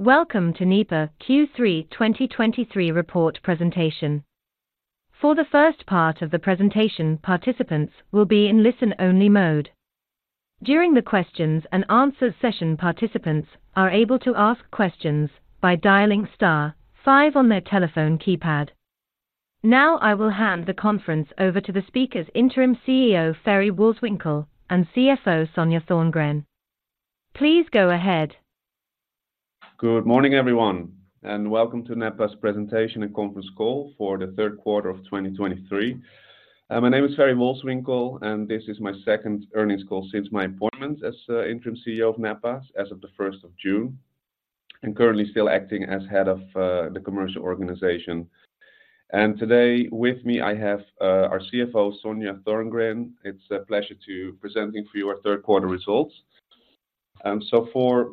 Welcome to Nepa Q3 2023 report presentation. For the first part of the presentation, participants will be in listen-only mode. During the questions and answers session, participants are able to ask questions by dialing star five on their telephone keypad. Now, I will hand the conference over to the speakers, Interim CEO, Ferry Wolswinkel, and CFO, Sonja Thorngren. Please go ahead. Good morning, everyone, and welcome to Nepa's presentation and conference call for the Third Quarter of 2023. My name is Ferry Wolswinkel, and this is my second earnings call since my appointment as Interim CEO of Nepa as of the June 1st, and currently still acting as Head of the commercial organization. And today with me, I have our CFO, Sonja Thorngren. It's a pleasure to presenting for you our third quarter results. So for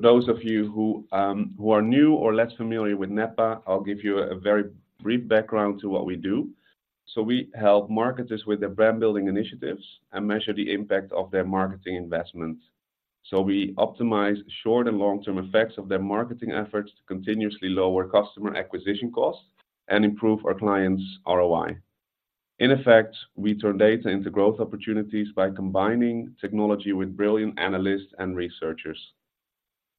those of you who are new or less familiar with Nepa, I'll give you a very brief background to what we do. So we help marketers with their brand-building initiatives and measure the impact of their marketing investments. So we optimize short- and long-term effects of their marketing efforts to continuously lower customer acquisition costs and improve our clients' ROI. In effect, we turn data into growth opportunities by combining technology with brilliant analysts and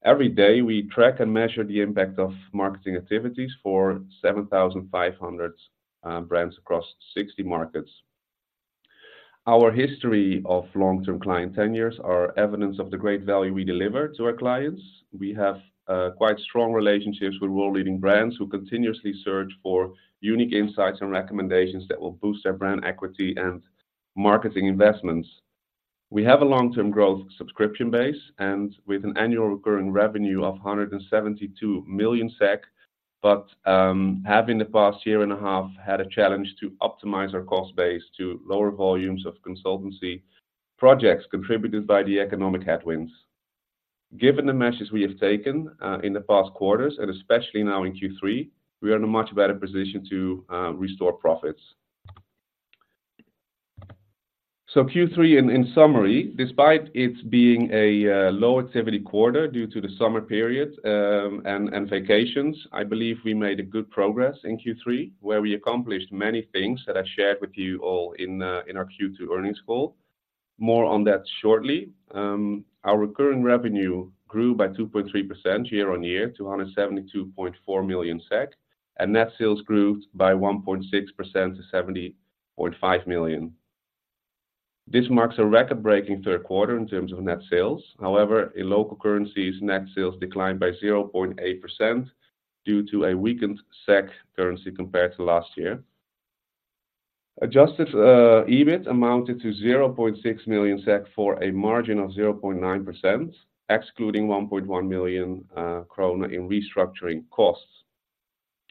researchers. Every day, we track and measure the impact of marketing activities for 7,500 brands across 60 markets. Our history of long-term client tenures are evidence of the great value we deliver to our clients. We have quite strong relationships with world-leading brands who continuously search for unique insights and recommendations that will boost their brand equity and marketing investments. We have a long-term growth subscription base and with an annual recurring revenue of 172 million SEK, but have in the past year and a half had a challenge to optimize our cost base to lower volumes of consultancy projects contributed by the economic headwinds. Given the measures we have taken in the past quarters, and especially now in Q3, we are in a much better position to restore profits. So Q3 in summary, despite it being a low activity quarter due to the summer period and vacations, I believe we made good progress in Q3, where we accomplished many things that I shared with you all in our Q2 earnings call. More on that shortly. Our recurring revenue grew by 2.3% YoY, to 172.4 million SEK, and net sales grew by 1.6% to 70.5 million. This marks a record-breaking third quarter in terms of net sales. However, in local currencies, net sales declined by 0.8% due to a weakened SEK currency compared to last year. Adjusted EBIT amounted to 0.6 million SEK for a margin of 0.9%, excluding 1.1 million krona in restructuring costs.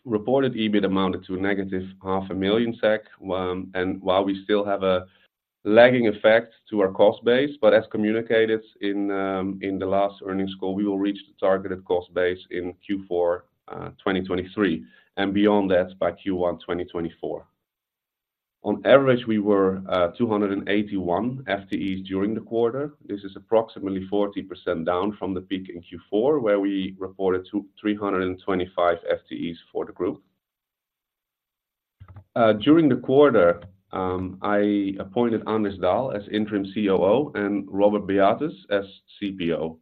Reported EBIT amounted to -0.5 million SEK. While we still have a lagging effect to our cost base, but as communicated in the last earnings call, we will reach the targeted cost base in Q4 2023, and beyond that by Q1 2024. On average, we were 281 FTEs during the quarter. This is approximately 40% down from the peak in Q4, where we reported 325 FTEs for the group. During the quarter, I appointed Anders Dahl as Interim COO and Robert Beatus as CPO.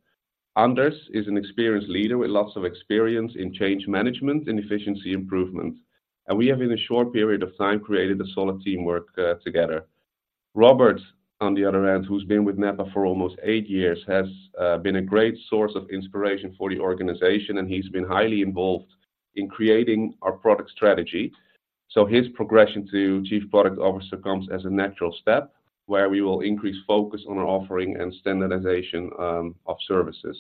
Anders is an experienced leader with lots of experience in change management and efficiency improvement, and we have, in a short period of time, created a solid teamwork together. Robert, on the other hand, who's been with Nepa for almost eight years, has been a great source of inspiration for the organization, and he's been highly involved in creating our product strategy. So his progression to Chief Product Officer comes as a natural step, where we will increase focus on our offering and standardization of services.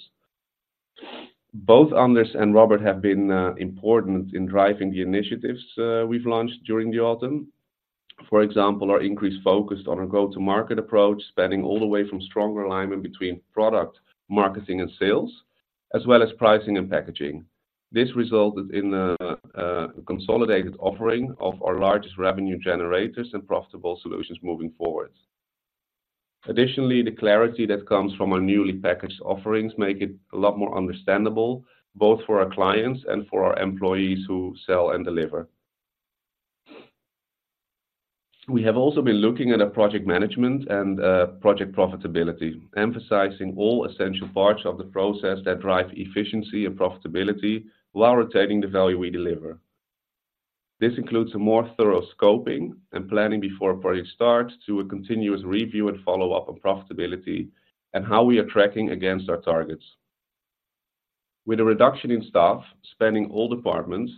Both Anders and Robert have been important in driving the initiatives we've launched during the autumn. For example, our increased focus on our go-to-market approach, spanning all the way from stronger alignment between product, marketing, and sales, as well as pricing and packaging. This resulted in a consolidated offering of our largest revenue generators and profitable solutions moving forward. Additionally, the clarity that comes from our newly packaged offerings make it a lot more understandable, both for our clients and for our employees who sell and deliver. We have also been looking at our project management and project profitability, emphasizing all essential parts of the process that drive efficiency and profitability while retaining the value we deliver. This includes a more thorough scoping and planning before a project starts, to a continuous review and follow-up on profitability and how we are tracking against our targets. With a reduction in staff, spanning all departments,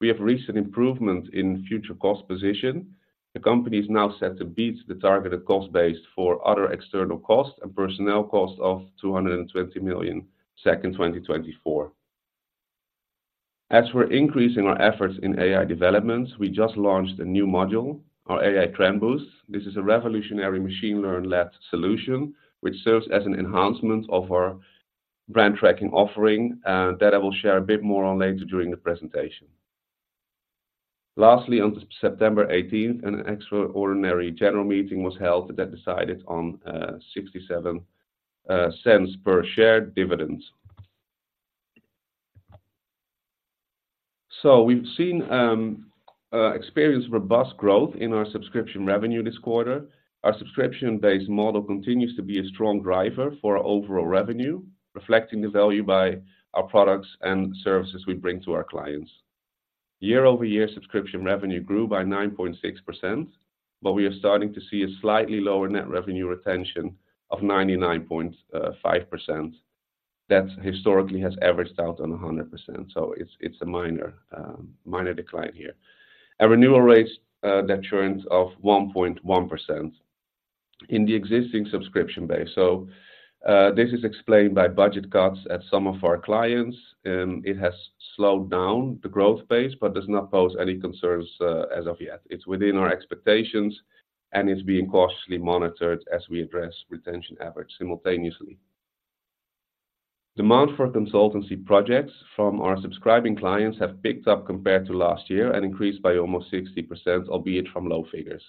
we have recent improvement in future cost position. The company is now set to beat the targeted cost base for other external costs and personnel cost of 220 million in 2024. As we're increasing our efforts in AI developments, we just launched a new module, our AI TrendBoost. This is a revolutionary machine-learning-led solution, which serves as an enhancement of our Brand Tracking offering, that I will share a bit more on later during the presentation. Lastly, on September 18th, an extraordinary general meeting was held that decided on 0.67 SEK per share dividend. So we've seen experienced robust growth in our subscription revenue this quarter. Our subscription-based model continues to be a strong driver for our overall revenue, reflecting the value by our products and services we bring to our clients. YoY subscription revenue grew by 9.6%, but we are starting to see a slightly lower net revenue retention of 99.5%. That historically has averaged out on 100%, so it's a minor, minor decline here. Our renewal rates, deterioration of 1.1% in the existing subscription base. So, this is explained by budget cuts at some of our clients, it has slowed down the growth pace, but does not pose any concerns, as of yet. It's within our expectations, and it's being cautiously monitored as we address retention efforts simultaneously. Demand for consultancy projects from our subscribing clients have picked up compared to last year and increased by almost 60%, albeit from low figures.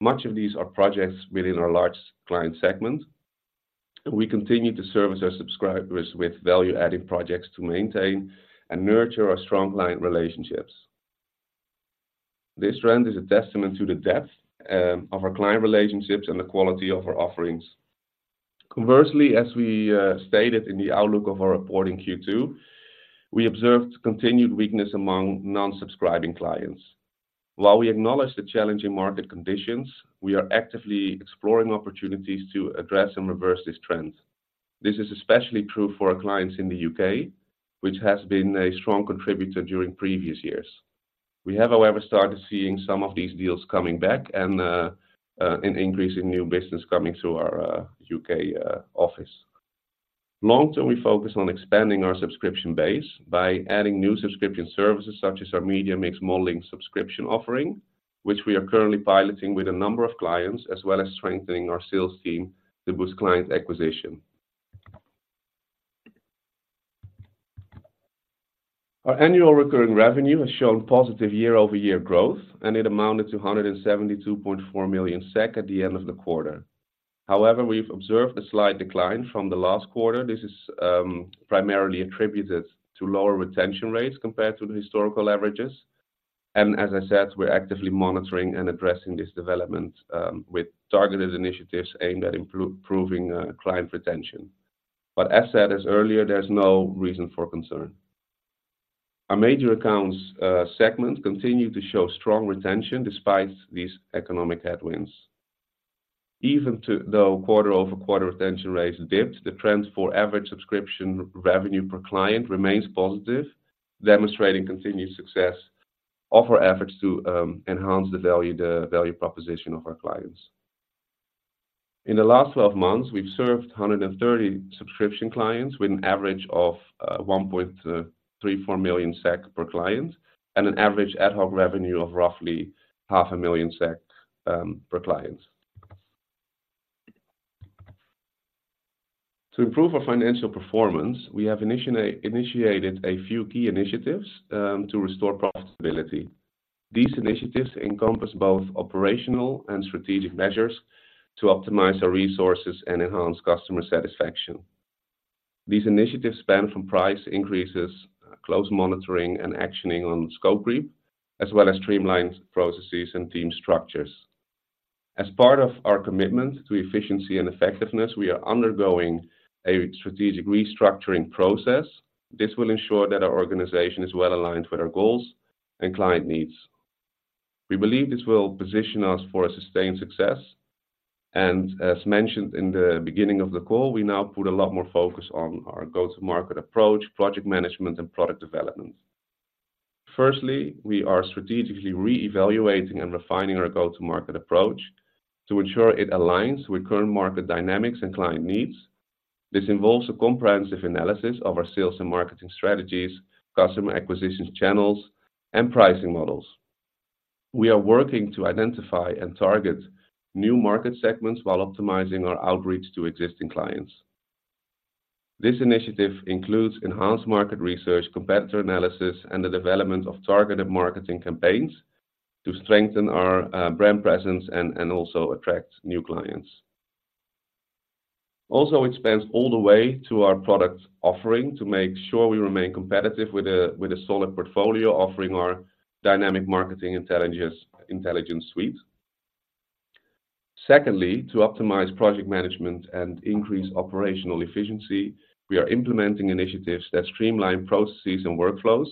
Much of these are projects within our large client segment. We continue to service our subscribers with value-adding projects to maintain and nurture our strong client relationships. This trend is a testament to the depth of our client relationships and the quality of our offerings. Conversely, as we stated in the outlook of our reporting Q2, we observed continued weakness among non-subscribing clients. While we acknowledge the challenging market conditions, we are actively exploring opportunities to address and reverse this trend. This is especially true for our clients in the U.K., which has been a strong contributor during previous years. We have, however, started seeing some of these deals coming back and an increase in new business coming through our U.K. office. Long term, we focus on expanding our subscription base by adding new subscription services, such as our media mix modeling subscription offering, which we are currently piloting with a number of clients, as well as strengthening our sales team to boost client acquisition. Our annual recurring revenue has shown positive YoY growth, and it amounted to 172.4 million SEK at the end of the quarter. However, we've observed a slight decline from the last quarter. This is primarily attributed to lower retention rates compared to the historical averages, and as I said, we're actively monitoring and addressing this development with targeted initiatives aimed at improving client retention. But as stated earlier, there's no reason for concern. Our major accounts segment continue to show strong retention despite these economic headwinds. Even though QoQ retention rates dipped, the trends for average subscription revenue per client remains positive, demonstrating continued success of our efforts to enhance the value, the value proposition of our clients. In the last 12 months, we've served 130 subscription clients with an average of 1.34 million SEK per client, and an average ad hoc revenue of roughly 500,000 SEK per client. To improve our financial performance, we have initiated a few key initiatives to restore profitability. These initiatives encompass both operational and strategic measures to optimize our resources and enhance customer satisfaction. These initiatives span from price increases, close monitoring and actioning on scope creep, as well as streamlined processes and team structures. As part of our commitment to efficiency and effectiveness, we are undergoing a strategic restructuring process. This will ensure that our organization is well-aligned with our goals and client needs. We believe this will position us for a sustained success, and as mentioned in the beginning of the call, we now put a lot more focus on our go-to-market approach, project management, and product development. Firstly, we are strategically re-evaluating and refining our go-to-market approach to ensure it aligns with current market dynamics and client needs. This involves a comprehensive analysis of our sales and marketing strategies, customer acquisition channels, and pricing models. We are working to identify and target new market segments while optimizing our outreach to existing clients. This initiative includes enhanced market research, competitor analysis, and the development of targeted marketing campaigns to strengthen our brand presence and also attract new clients. Also, it spans all the way to our product offering to make sure we remain competitive with a solid portfolio offering our dynamic marketing intelligence suite. Secondly, to optimize project management and increase operational efficiency, we are implementing initiatives that streamline processes and workflows.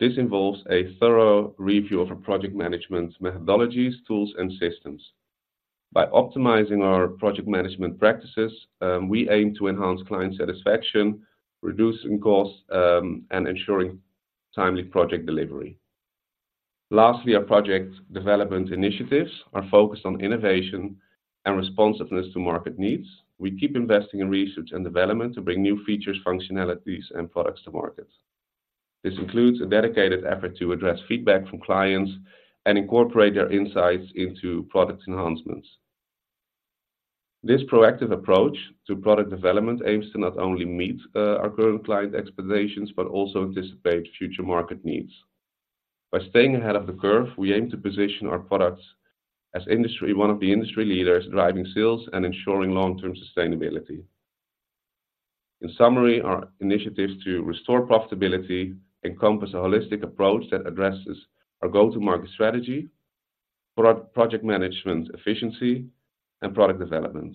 This involves a thorough review of our project management methodologies, tools, and systems. By optimizing our project management practices, we aim to enhance client satisfaction, reducing costs, and ensuring timely project delivery. Lastly, our project development initiatives are focused on innovation and responsiveness to market needs. We keep investing in research and development to bring new features, functionalities, and products to market. This includes a dedicated effort to address feedback from clients and incorporate their insights into product enhancements. This proactive approach to product development aims to not only meet our current client expectations, but also anticipate future market needs. By staying ahead of the curve, we aim to position our products as one of the industry leaders, driving sales and ensuring long-term sustainability. In summary, our initiatives to restore profitability encompass a holistic approach that addresses our go-to-market strategy, product project management efficiency, and product development.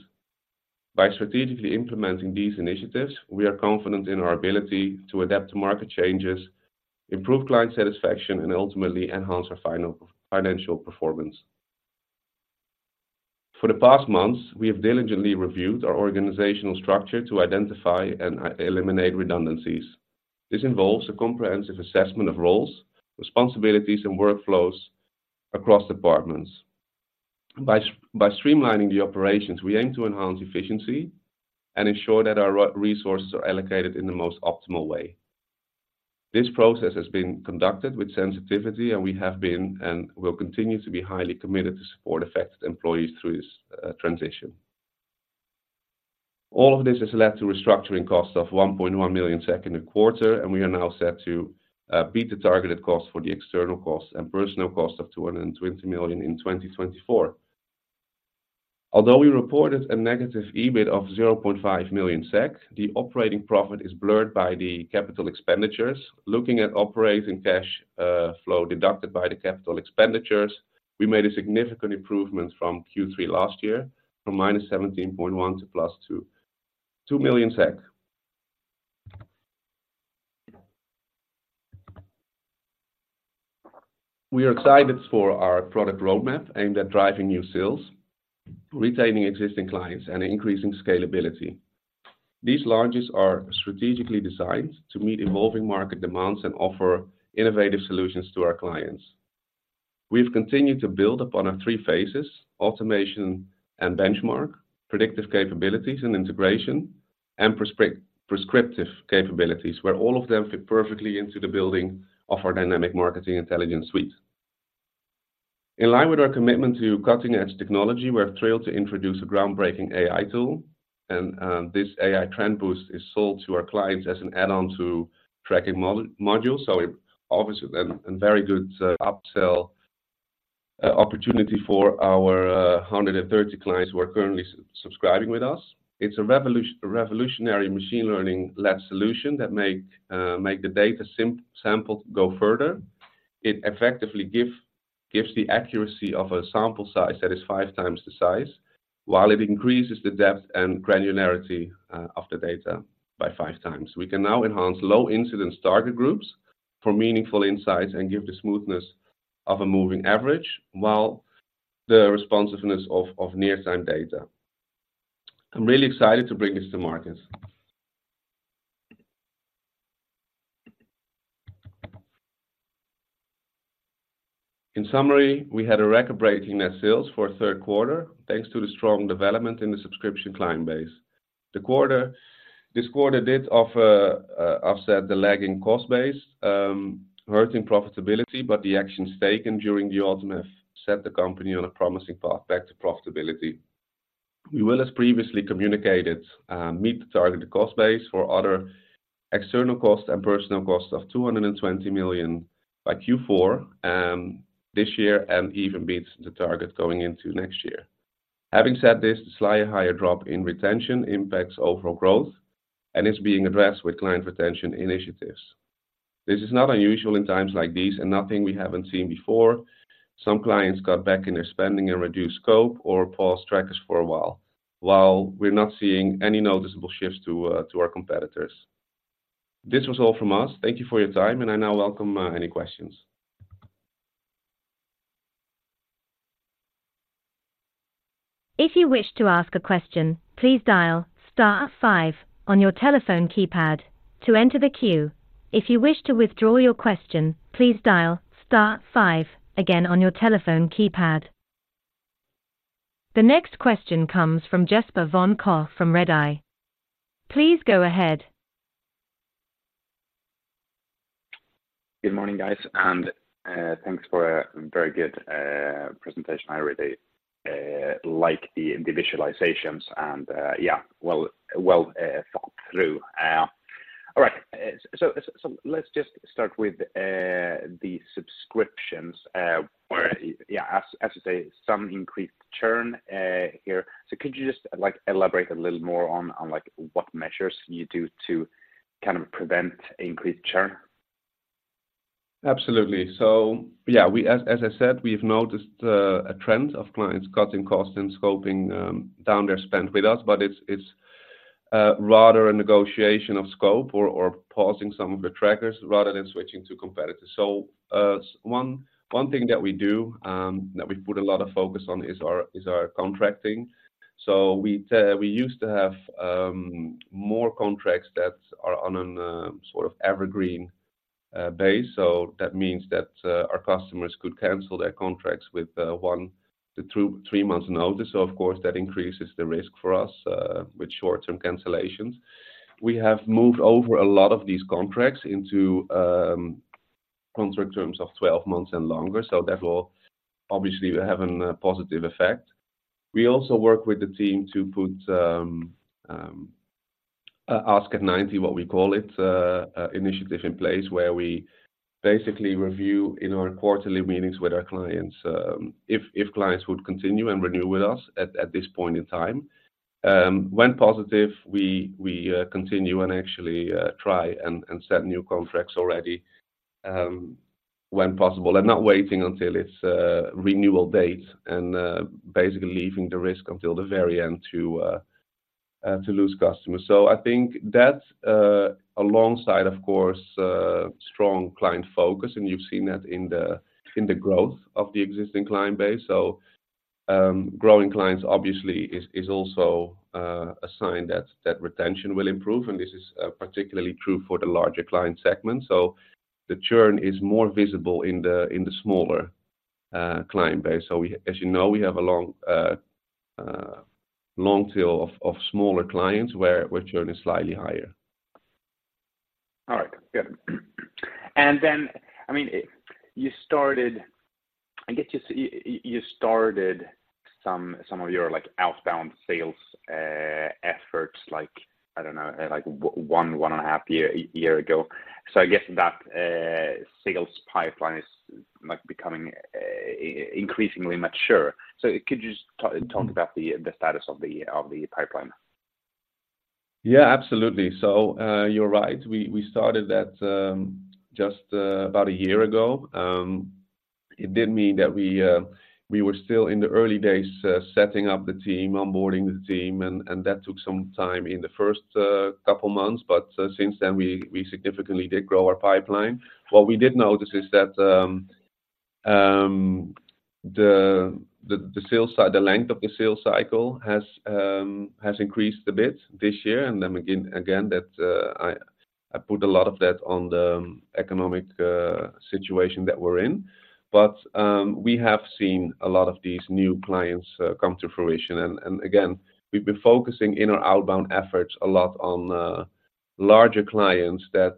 By strategically implementing these initiatives, we are confident in our ability to adapt to market changes, improve client satisfaction, and ultimately enhance our financial performance. For the past months, we have diligently reviewed our organizational structure to identify and eliminate redundancies. This involves a comprehensive assessment of roles, responsibilities, and workflows across departments. By streamlining the operations, we aim to enhance efficiency and ensure that our resources are allocated in the most optimal way. This process has been conducted with sensitivity, and we have been, and will continue to be, highly committed to support affected employees through this transition. All of this has led to restructuring costs of 1.1 million in the quarter, and we are now set to beat the targeted cost for the external costs and personal cost of 220 million in 2024. Although we reported a negative EBIT of 0.5 million SEK, the operating profit is blurred by the capital expenditures. Looking at operating cash flow deducted by the capital expenditures, we made a significant improvement from Q3 last year, from -17.1 million SEK to SEK 2.2 million. We are excited for our product roadmap aimed at driving new sales, retaining existing clients, and increasing scalability. These launches are strategically designed to meet evolving market demands and offer innovative solutions to our clients. We've continued to build upon our three phases: automation and benchmark, predictive capabilities and integration, and prescriptive capabilities, where all of them fit perfectly into the building of our dynamic marketing intelligence suite. In line with our commitment to cutting-edge technology, we're thrilled to introduce a groundbreaking AI tool, and this AI TrendBoost is sold to our clients as an add-on to tracking modules. So obviously, a very good upsell opportunity for our 130 clients who are currently subscribing with us. It's a revolutionary machine learning-led solution that makes the data sample go further. It effectively gives the accuracy of a sample size that is five times the size, while it increases the depth and granularity of the data by five times. We can now enhance low-incidence target groups for meaningful insights and give the smoothness of a moving average, while the responsiveness of near-time data. I'm really excited to bring this to market. In summary, we had a record-breaking net sales for our third quarter, thanks to the strong development in the subscription client base. This quarter did offer offset the lagging cost base, hurting profitability, but the actions taken during the autumn have set the company on a promising path back to profitability. We will, as previously communicated, meet the targeted cost base for other external costs and personal costs of 220 million by Q4 this year, and even beat the target going into next year. Having said this, the slightly higher drop in retention impacts overall growth and is being addressed with client retention initiatives. This is not unusual in times like these, and nothing we haven't seen before. Some clients cut back in their spending and reduced scope or paused trackers for a while, while we're not seeing any noticeable shifts to our competitors. This was all from us. Thank you for your time, and I now welcome any questions. If you wish to ask a question, please dial star five on your telephone keypad to enter the queue. If you wish to withdraw your question, please dial star five again on your telephone keypad. The next question comes from Jesper von Koch from Redeye. Please go ahead. Good morning, guys, and thanks for a very good presentation. I really like the visualizations and, yeah, well thought through. All right. So let's just start with the subscriptions, where, yeah, as you say, some increased churn here. So could you just, like, elaborate a little more on, like, what measures you do to kind of prevent increased churn? Absolutely. So, yeah, we as I said, we've noticed a trend of clients cutting costs and scoping down their spend with us, but it's rather a negotiation of scope or pausing some of the trackers rather than switching to competitors. So, one thing that we do that we put a lot of focus on is our contracting. So we used to have more contracts that are on an sort of evergreen base. So that means that our customers could cancel their contracts with one-three months’ notice. So of course, that increases the risk for us with short-term cancellations. We have moved over a lot of these contracts into contract terms of 12 months and longer, so therefore, obviously, we have a positive effect. We also work with the team to put Ask at 90, what we call it, initiative in place, where we basically review in our quarterly meetings with our clients, if clients would continue and renew with us at this point in time. When positive, we continue and actually try and set new contracts already, when possible, and not waiting until it's renewal date and basically leaving the risk until the very end to lose customers. So I think that's alongside, of course, a strong client focus, and you've seen that in the growth of the existing client base. So, growing clients obviously is also a sign that retention will improve, and this is particularly true for the larger client segment. So the churn is more visible in the smaller client base. So we, as you know, we have a long tail of smaller clients where churn is slightly higher. All right, good. And then, I mean, you started some of your, like, outbound sales efforts, like, I don't know, like one and a half years ago. So I guess that sales pipeline is like becoming increasingly mature. So could you just talk about the status of the pipeline? Yeah, absolutely. So, you're right. We started that just about a year ago. It did mean that we were still in the early days, setting up the team, onboarding the team, and that took some time in the first couple months, but since then we significantly did grow our pipeline. What we did notice is that the sales cycle, the length of the sales cycle has increased a bit this year, and then again that I put a lot of that on the economic situation that we're in. But we have seen a lot of these new clients come to fruition, and again, we've been focusing in our outbound efforts a lot on larger clients that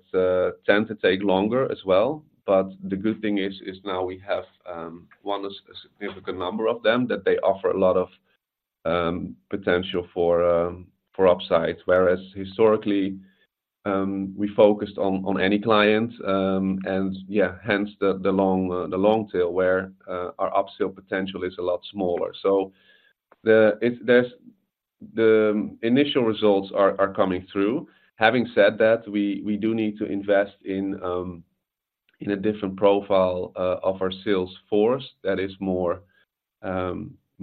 tend to take longer as well. But the good thing is, is now we have one, a significant number of them, that they offer a lot of potential for upside. Whereas historically, we focused on any client, and yeah, hence the long tail, where our upsell potential is a lot smaller. So the initial results are coming through. Having said that, we do need to invest in a different profile of our sales force that is more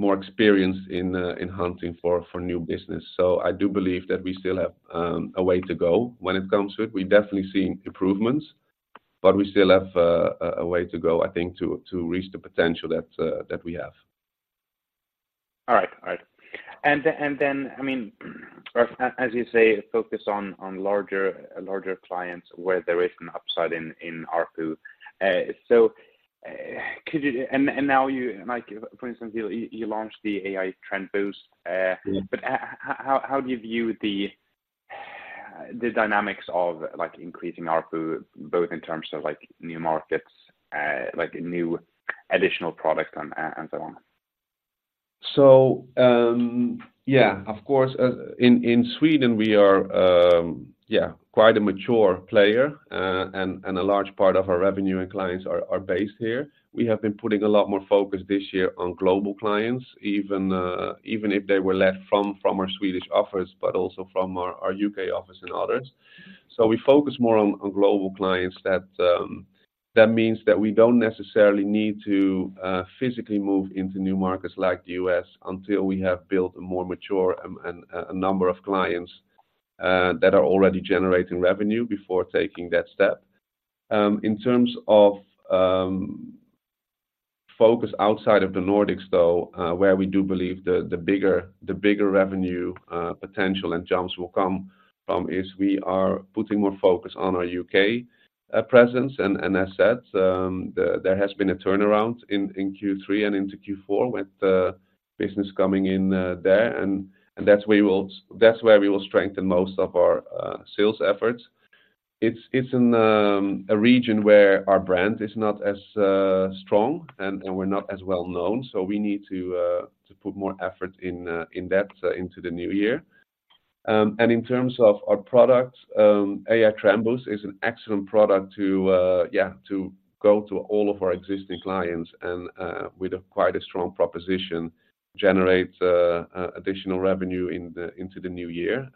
experienced in hunting for new business. So I do believe that we still have a way to go when it comes to it. We've definitely seen improvements, but we still have a way to go, I think, to reach the potential that we have. All right. And then, I mean, as you say, focus on larger clients where there is an upside in ARPU. So, could you... And now you, like, for instance, you launched the AI TrendBoost. Mm-hmm. How do you view the dynamics of, like, increasing ARPU, both in terms of, like, new markets, like new additional product and so on? So, of course, in Sweden, we are quite a mature player, and a large part of our revenue and clients are based here. We have been putting a lot more focus this year on global clients, even if they were led from our Swedish office, but also from our U.K. office and others. So we focus more on global clients that means that we don't necessarily need to physically move into new markets like the U.S. until we have built a more mature and a number of clients that are already generating revenue before taking that step. In terms of focus outside of the Nordics, though, where we do believe the bigger revenue potential and jumps will come from, is we are putting more focus on our UK presence. As said, there has been a turnaround in Q3 and into Q4 with the business coming in there, and that's where we will strengthen most of our sales efforts. It's in a region where our brand is not as strong, and we're not as well known, so we need to put more effort in that into the new year. And in terms of our products, AI TrendBoost is an excellent product to, yeah, to go to all of our existing clients and, with quite a strong proposition, generate additional revenue into the new year.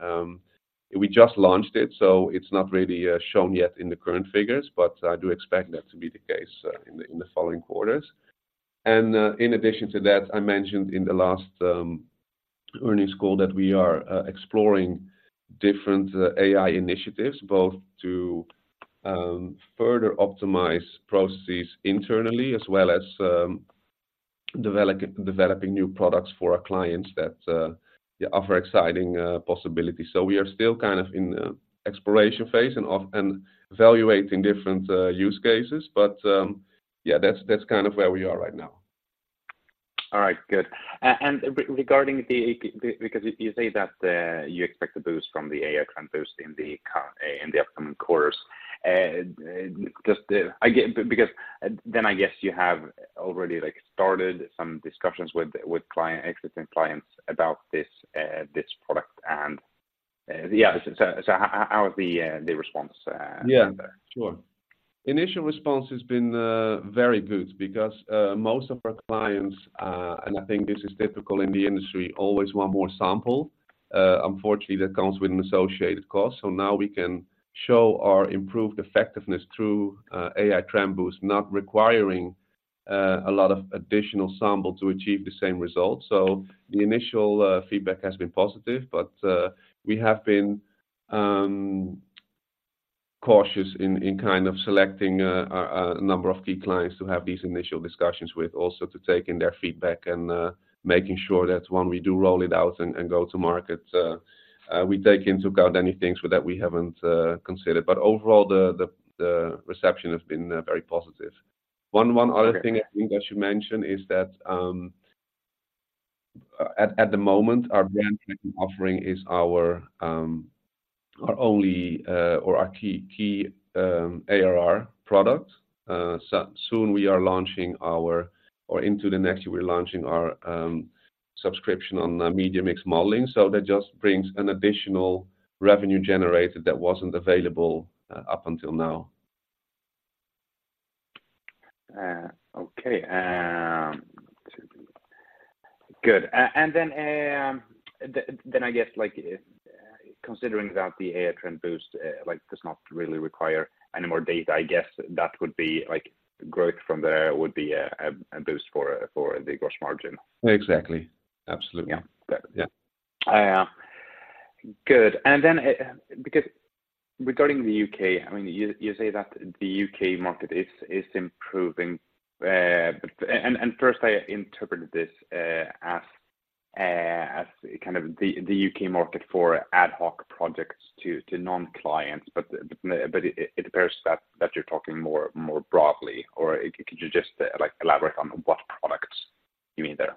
We just launched it, so it's not really shown yet in the current figures, but I do expect that to be the case in the following quarters. And in addition to that, I mentioned in the last earnings call that we are exploring different AI initiatives, both to further optimize processes internally, as well as developing new products for our clients that, yeah, offer exciting possibilities. So we are still kind of in the exploration phase and off, and evaluating different use cases, but yeah, that's kind of where we are right now. All right, good. Regarding the AP, because you say that you expect a boost from the AI TrendBoost in the upcoming quarters. And just, I get, because then I guess you have already, like, started some discussions with existing clients about this product and, yeah, so how is the response? Yeah, sure. Initial response has been very good because most of our clients, and I think this is typical in the industry, always want more sample. Unfortunately, that comes with an associated cost, so now we can show our improved effectiveness through AI TrendBoost, not requiring a lot of additional sample to achieve the same result. So the initial feedback has been positive, but we have been cautious in kind of selecting a number of key clients to have these initial discussions with, also to take in their feedback and making sure that when we do roll it out and go to market, we take into account any things that we haven't considered. But overall, the reception has been very positive. One other thing- Okay I think I should mention is that, at the moment, our brand offering is our only or our key ARR product. So soon we are launching, or into the next year, we're launching our subscription on marketing mix modeling. So that just brings an additional revenue generator that wasn't available up until now. Okay. Good. And then, I guess, like, considering that the AI TrendBoost, like, does not really require any more data, I guess that would be like growth from there would be a boost for the gross margin. Exactly. Absolutely. Yeah. Yeah. Good. And then, because regarding the U.K., I mean, you say that the U.K. market is improving, but... And first, I interpreted this as kind of the U.K. market for ad hoc projects to non-clients. But it appears that you're talking more broadly, or could you just like elaborate on what products you mean there?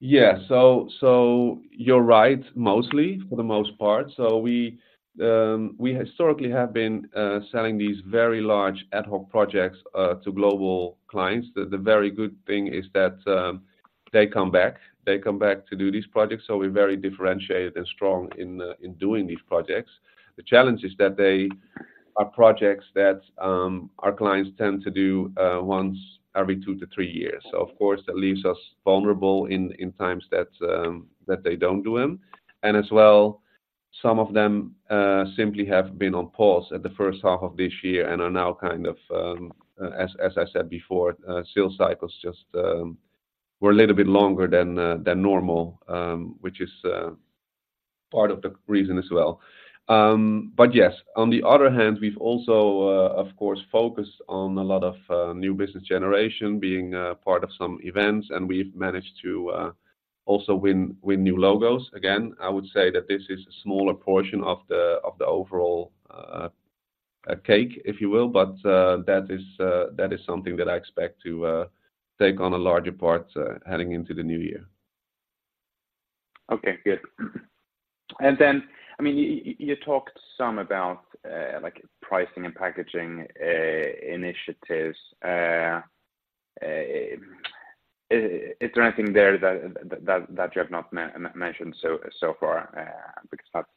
Yeah. So, so you're right, mostly, for the most part. So we historically have been selling these very large ad hoc projects to global clients. The very good thing is that they come back, they come back to do these projects, so we're very differentiated and strong in doing these projects. The challenge is that they are projects that our clients tend to do once every two-three years. So of course, that leaves us vulnerable in times that they don't do them. And as well, some of them simply have been on pause at the first half of this year and are now kind of, as I said before, sales cycles just were a little bit longer than normal, which is part of the reason as well. But yes, on the other hand, we've also of course focused on a lot of new business generation being part of some events, and we've managed to also win new logos. Again, I would say that this is a smaller portion of the overall cake, if you will, but that is something that I expect to take on a larger part heading into the new year. Okay, good. And then, I mean, you talked some about, like, pricing and packaging. Is there anything there that you have not mentioned so far? Because that's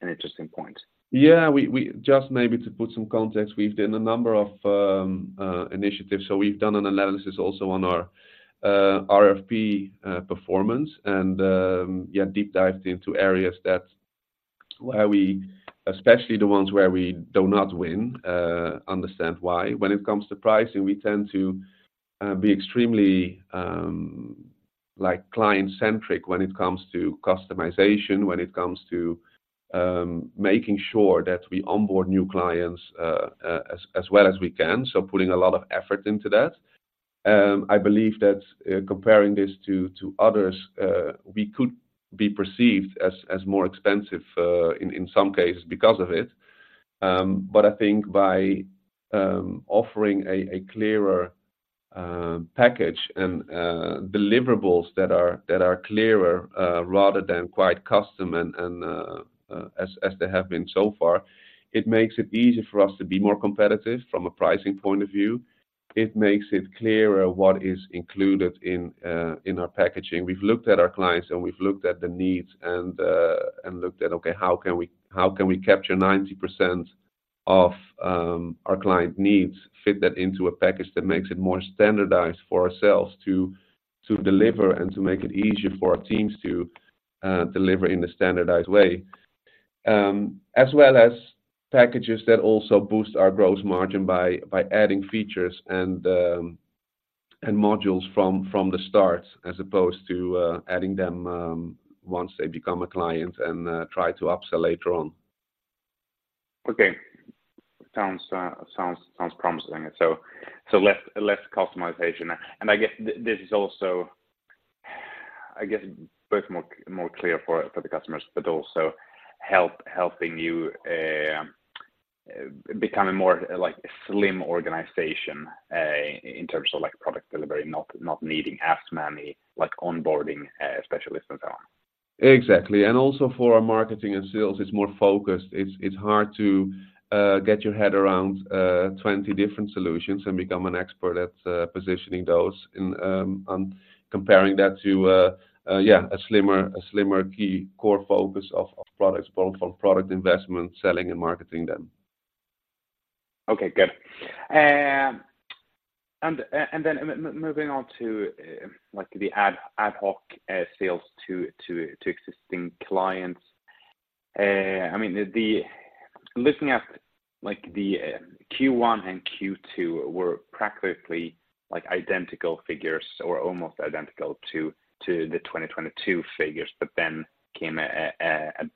an interesting point. Yeah, we just maybe to put some context, we've done a number of initiatives. So we've done an analysis also on our RFP performance, and yeah, deep dived into areas where we especially the ones where we do not win, understand why. When it comes to pricing, we tend to be extremely like client-centric when it comes to customization, when it comes to making sure that we onboard new clients as well as we can, so putting a lot of effort into that. I believe that comparing this to others, we could be perceived as more expensive in some cases because of it. But I think by offering a clearer package and deliverables that are clearer, rather than quite custom and as they have been so far, it makes it easier for us to be more competitive from a pricing point of view. It makes it clearer what is included in our packaging. We've looked at our clients, and we've looked at the needs and looked at how can we capture 90% of our client needs, fit that into a package that makes it more standardized for ourselves to deliver and to make it easier for our teams to deliver in a standardized way? As well as packages that also boost our gross margin by adding features and modules from the start, as opposed to adding them once they become a client and try to upsell later on. Okay. Sounds promising. So less customization. And I guess this is also. I guess both more clear for the customers, but also helping you become a more like slim organization, in terms of like product delivery, not needing as many like onboarding specialists as well. Exactly. Also for our marketing and sales, it's more focused. It's hard to get your head around 20 different solutions and become an expert at positioning those in on comparing that to yeah, a slimmer key core focus of products, both on product investment, selling and marketing them. Okay, good. And then moving on to, like the ad hoc sales to existing clients. I mean, looking at like the Q1 and Q2 were practically like identical figures or almost identical to the 2022 figures, but then came a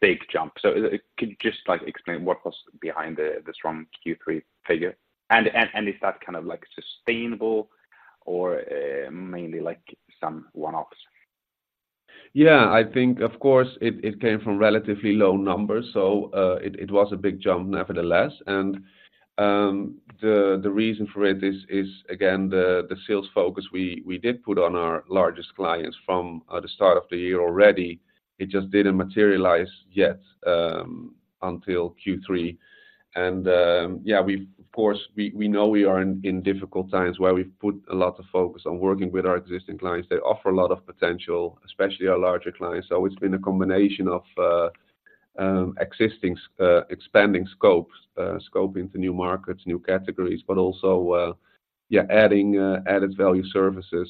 big jump. So could you just, like, explain what was behind the strong Q3 figure? And is that kind of like sustainable or mainly like some one-offs? Yeah, I think of course it came from relatively low numbers, so it was a big jump nevertheless. The reason for it is again the sales focus we did put on our largest clients from the start of the year already. It just didn't materialize yet until Q3. Yeah, of course we know we are in difficult times where we've put a lot of focus on working with our existing clients. They offer a lot of potential, especially our larger clients. So it's been a combination of existing expanding scopes, scoping to new markets, new categories, but also yeah adding added value services.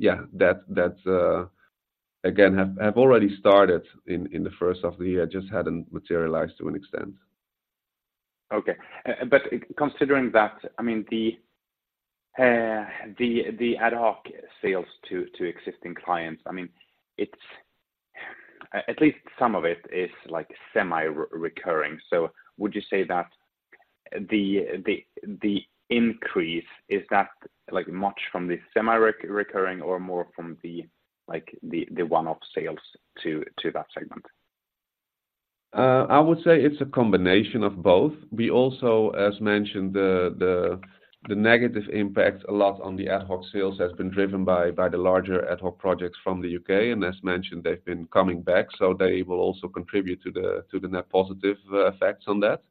Yeah, that's again have already started in the first half of the year, just hadn't materialized to an extent. Okay. But considering that, I mean, the ad hoc sales to existing clients, I mean, it's at least some of it is like semi-recurring. So would you say that the increase is that like much from the semi-recurring or more from the like the one-off sales to that segment? I would say it's a combination of both. We also, as mentioned, the negative impact a lot on the ad hoc sales has been driven by the larger ad hoc projects from the UK, and as mentioned, they've been coming back, so they will also contribute to the net positive effects on that.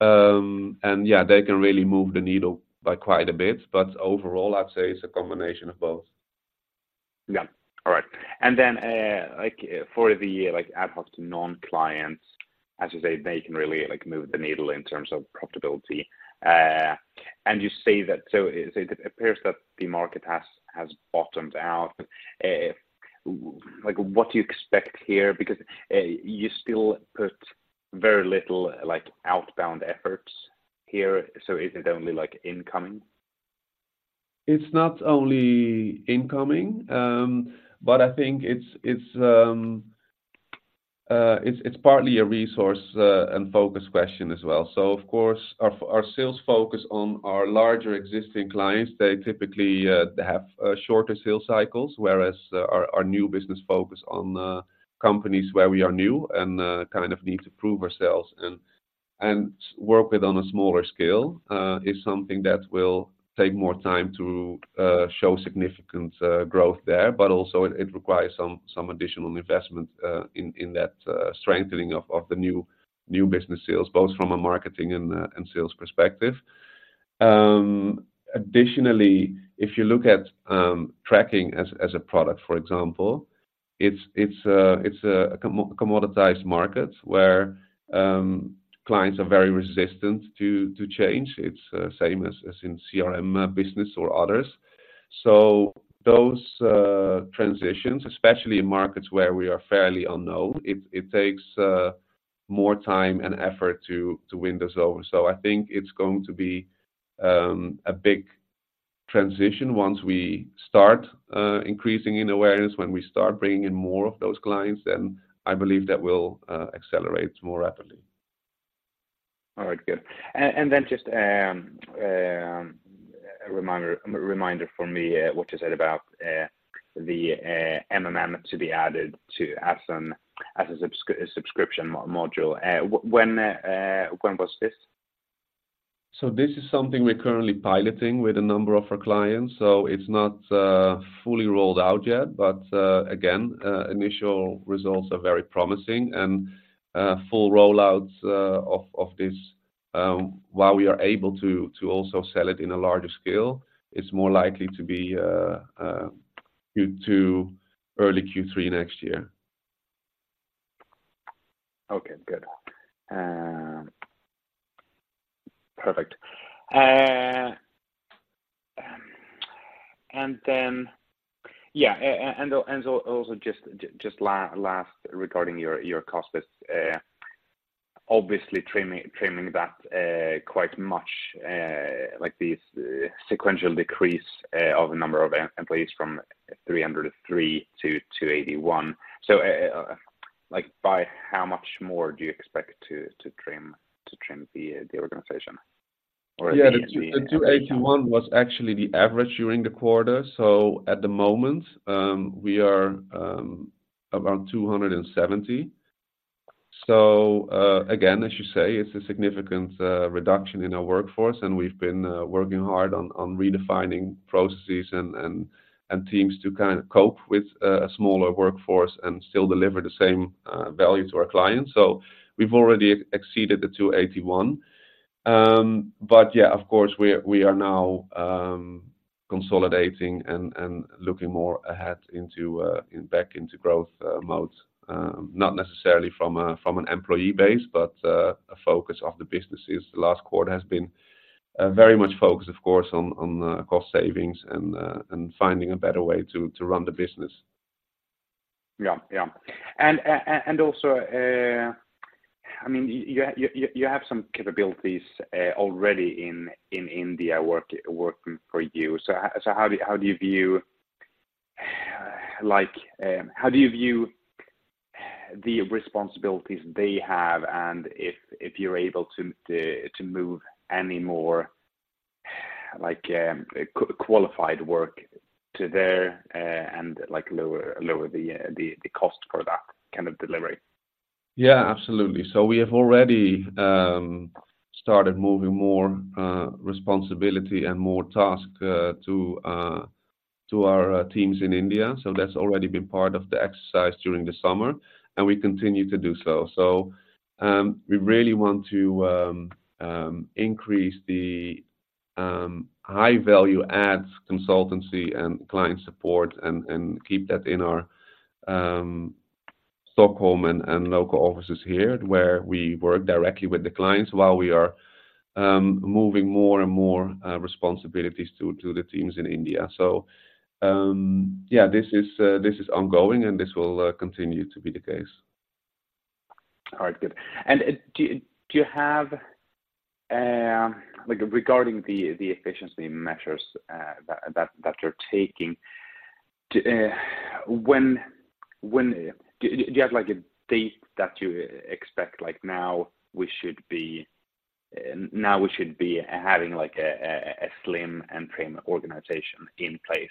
And yeah, they can really move the needle by quite a bit, but overall, I'd say it's a combination of both. Yeah. All right. And then, like for the, like, ad hoc to non-clients, as you say, they can really, like, move the needle in terms of profitability. And you say that, so it appears that the market has bottomed out. Like, what do you expect here? Because, you still put very little, like, outbound efforts here. So is it only like incoming? It's not only incoming, but I think it's partly a resource and focus question as well. So of course, our sales focus on our larger existing clients; they typically have shorter sales cycles, whereas our new business focus on companies where we are new and kind of need to prove ourselves and work with on a smaller scale is something that will take more time to show significant growth there. But also it requires some additional investment in that strengthening of the new business sales, both from a marketing and sales perspective. Additionally, if you look at tracking as a product, for example, it's a commoditized market where clients are very resistant to change. It's same as in CRM business or others. So those transitions, especially in markets where we are fairly unknown, it takes more time and effort to win this over. So I think it's going to be a big transition once we start increasing in awareness, when we start bringing in more of those clients, then I believe that will accelerate more rapidly. All right, good. And then just a reminder for me, what you said about the MMM to be added to as a subscription module. When was this? So this is something we're currently piloting with a number of our clients, so it's not fully rolled out yet. But again, initial results are very promising and full rollouts of this while we are able to also sell it in a larger scale, it's more likely to be Q2, early Q3 next year. Okay, good. Perfect. And then, yeah, and also just last, regarding your cost, obviously trimming that quite much, like the sequential decrease of the number of employees from 303 to 281. So, like, by how much more do you expect to trim the organization? Yeah, the 281 was actually the average during the quarter. So at the moment, we are around 270. So, again, as you say, it's a significant reduction in our workforce, and we've been working hard on redefining processes and teams to kind of cope with a smaller workforce and still deliver the same value to our clients. So we've already exceeded the 281. But yeah, of course, we are now consolidating and looking more ahead into back into growth mode. Not necessarily from an employee base, but a focus of the business is the last quarter has been very much focused, of course, on cost savings and finding a better way to run the business. Yeah. Yeah. And also, I mean, you have some capabilities already in India working for you. So how do you view the responsibilities they have, and if you're able to move any more like qualified work to there, and like lower the cost for that kind of delivery? Yeah, absolutely. So we have already started moving more responsibility and more tasks to our teams in India. So that's already been part of the exercise during the summer, and we continue to do so. So we really want to increase the high-value adds consultancy and client support and keep that in our Stockholm and local offices here, where we work directly with the clients, while we are moving more and more responsibilities to the teams in India. So yeah, this is ongoing, and this will continue to be the case. All right, good. And, do you have like regarding the efficiency measures that you're taking, when... Do you have like a date that you expect, like now we should be having like a slim and trim organization in place?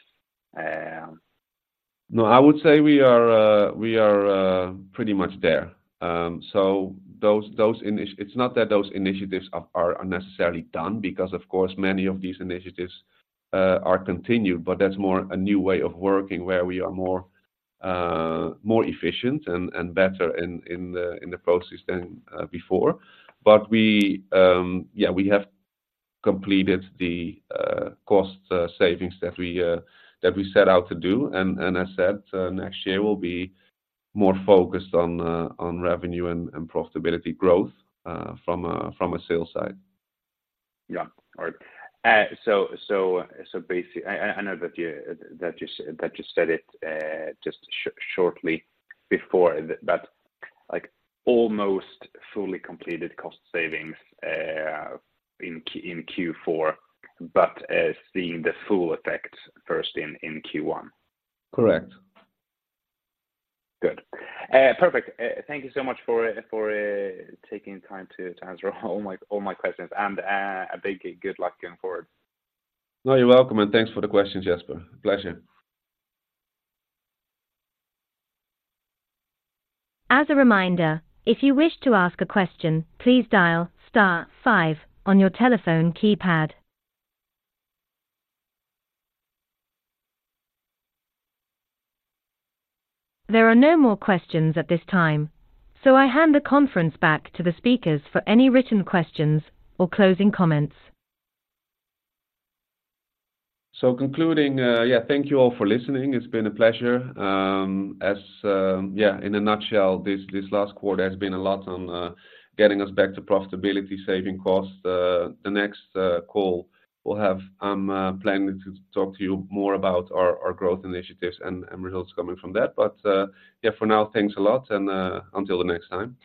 No, I would say we are pretty much there. So it's not that those initiatives are necessarily done, because of course, many of these initiatives are continued, but that's more a new way of working, where we are more efficient and better in the process than before. But we, yeah, we have completed the cost savings that we set out to do, and as I said, next year will be more focused on revenue and profitability growth from a sales side. Yeah. All right. So basically, I know that you said it just shortly before, but like almost fully completed cost savings in Q4, but seeing the full effect first in Q1? Correct. Good. Perfect. Thank you so much for taking time to answer all my questions, and a big good luck going forward. No, you're welcome, and thanks for the questions, Jesper. Pleasure. As a reminder, if you wish to ask a question, please dial star five on your telephone keypad. There are no more questions at this time, so I hand the conference back to the speakers for any written questions or closing comments. So concluding, thank you all for listening. It's been a pleasure. In a nutshell, this last quarter has been a lot on getting us back to profitability, saving costs. The next call we'll have, I'm planning to talk to you more about our growth initiatives and results coming from that. But for now, thanks a lot, and until the next time.